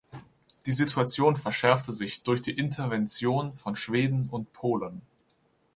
Die Situation verschärfte sich durch die Intervention von Schweden und Polen.